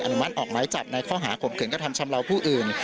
นุมัติออกไม้จับในข้อหาข่มขืนกระทำชำเลาผู้อื่น